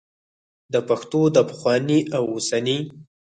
د پښتو د پخواني او اوسني